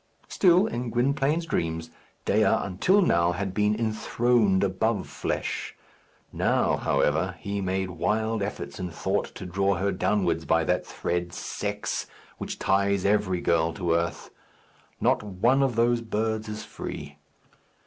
Still, in Gwynplaine's dreams, Dea, until now, had been enthroned above flesh. Now, however, he made wild efforts in thought to draw her downwards by that thread, sex, which ties every girl to earth. Not one of those birds is free.